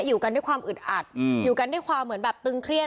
อยู่กันด้วยความอึดอัดอยู่กันด้วยความเหมือนแบบตึงเครียด